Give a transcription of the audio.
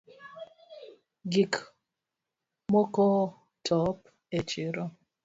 Gik mokootop e chiro